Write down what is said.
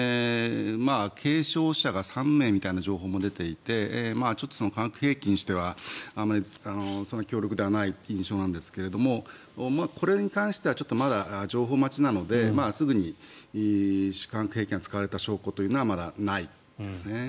軽傷者が３名みたいな情報も出ていてちょっと化学兵器にしてはあまりそんなに強力ではない印象なんですがこれに関してはちょっとまだ情報待ちなのですぐに化学兵器が使われた証拠というのはないですね。